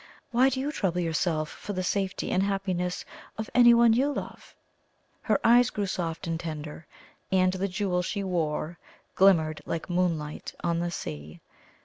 Why do you trouble yourself for the safety and happiness of anyone you love?" Her eyes grew soft and tender, and the jewel she wore glimmered like moonlight on the sea.